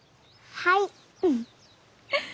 はい。